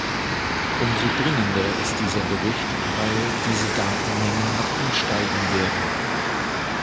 Umso dringender ist dieser Bericht, weil diese Datenmengen noch ansteigen werden.